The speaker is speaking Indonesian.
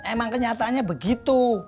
emang kenyataannya begitu